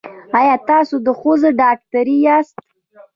ایا تاسو د ښځو ډاکټر یاست؟